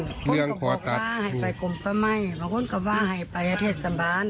คนก็บอกว่าให้ไปกลมปะไหมแล้วคนก็ว่าให้ไปท่าเทศสัมภาณ